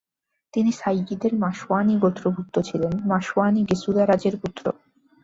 তিনি সায়্যিদ এর মাশওয়ানি গোত্রভুক্ত ছিলেন, মাশওয়ানি গেসুদারাজের পুত্র।